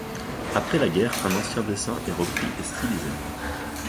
Après la guerre, un ancien dessin est repris et stylisé.